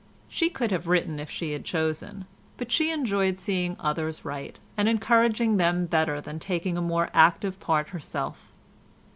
She could have written if she had chosen, but she enjoyed seeing others write and encouraging them better than taking a more active part herself.